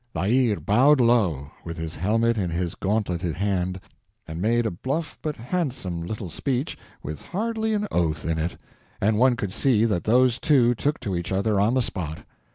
La Hire bowed low, with his helmet in his gauntleted hand, and made a bluff but handsome little speech with hardly an oath in it, and one could see that those two took to each other on the spot.